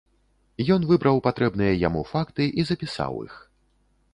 Ён выбраў патрэбныя яму факты і запісаў іх.